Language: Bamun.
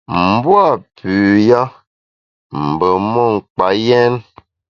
M’bua’ pü ya mbe mon kpa yèn.